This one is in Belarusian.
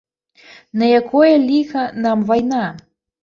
На якое ліха нам вайна?